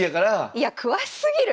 いや詳しすぎる！